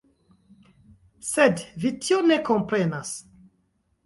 Sed vi tion ne komprenos.